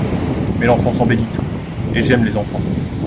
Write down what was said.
Mais l'enfance embellit tout, et j'aime les enfants.